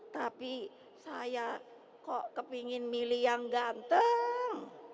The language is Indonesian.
tapi saya kok kepingin milih yang ganteng